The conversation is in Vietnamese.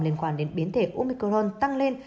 liên quan đến biến thể omicron tăng lên